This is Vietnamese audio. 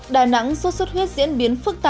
đà nẵng xuất xuất huyết diễn biến phức tạp